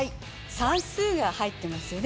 算数が入ってますよね